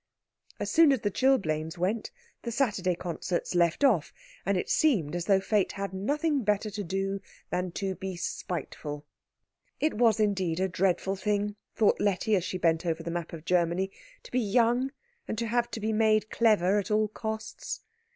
As soon as the chilblains went, the Saturday concerts left off, and it seemed as though Fate had nothing better to do than to be spiteful. It was indeed a dreadful thing, thought Letty, as she bent over the map of Germany, to be young and to have to be made clever at all costs.